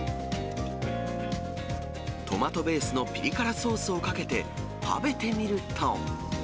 トマトベースのぴり辛ソースをかけて、食べてみると。